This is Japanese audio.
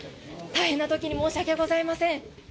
大変なときに申し訳ありません。